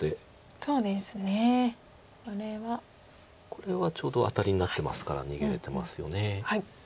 これはちょうどアタリになってますから逃げれてますよね。